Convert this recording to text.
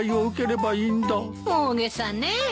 大げさね。